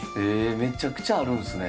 めちゃくちゃあるんすね。